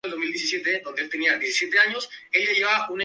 Diversas fiestas tradicionales son celebradas anualmente en Caá Catí.